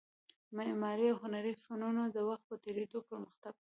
معماري او هنري فنونو د وخت په تېرېدو پرمختګ وکړ